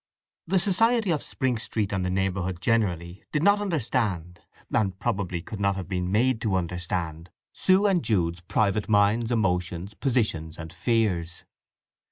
The society of Spring Street and the neighbourhood generally did not understand, and probably could not have been made to understand, Sue and Jude's private minds, emotions, positions, and fears.